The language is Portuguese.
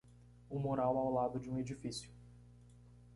Um mural ao lado de um edifício.